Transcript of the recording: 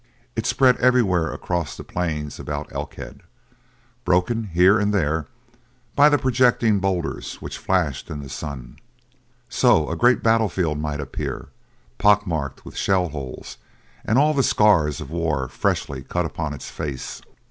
It spread everywhere across the plains about Elkhead, broken here and there by the projecting boulders which flashed in the sun. So a great battlefield might appear, pockmarked with shell holes, and all the scars of war freshly cut upon its face.